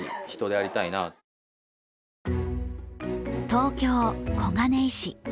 東京・小金井市。